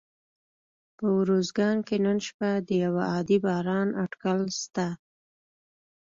په اروزګان کي نن شپه د یوه عادي باران اټکل سته